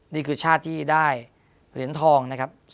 นี่คือชาติที่ได้เหรียญทองนะครับ